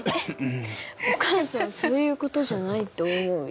お母さんそういう事じゃないと思うよ。